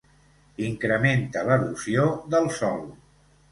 Incrementa l'erosió del sòl.